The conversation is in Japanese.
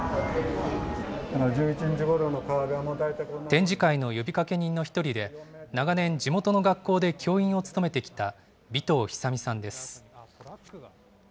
展示会の呼びかけ人の１人で、長年、地元の学校で教員を務めてきた尾藤寿実さんです。